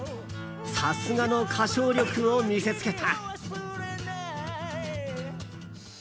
さすがの歌唱力を見せつけた。